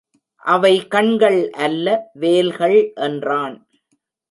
அவை கண்கள் அல்ல வேல்கள் என்றான்.